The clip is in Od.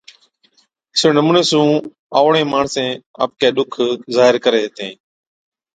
ائُون اِسڙي نمُوني سُون آئوڙين ماڻسين آپڪَي ڏُک ظاھِر ڪرين ھِتين